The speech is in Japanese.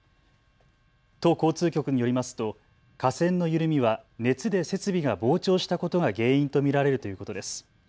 都交通局によりますと架線の緩みは熱で設備が膨張したことが原因と見られるということです。